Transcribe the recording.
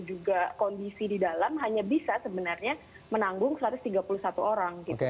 juga kondisi di dalam hanya bisa sebenarnya menanggung satu ratus tiga puluh satu orang